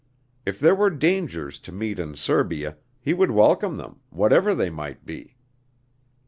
If there were dangers to meet in Serbia, he would welcome them, whatever they might be.